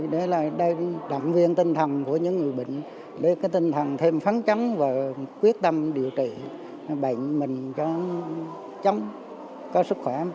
để đảm viên tinh thần của những người bệnh để tinh thần thêm phấn chấm và quyết tâm điều trị bệnh mình chấm có sức khỏe